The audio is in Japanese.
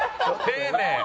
丁寧。